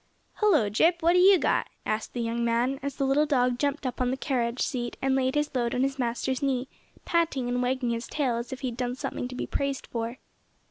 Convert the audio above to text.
"Hullo, Jip, what have you got?" asked the young man as the little dog jumped up on the carriage seat and laid his load on his master's knee, panting and wagging his tail as if he had done something to be praised for.